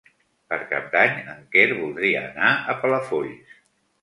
Per Cap d'Any en Quer voldria anar a Palafolls.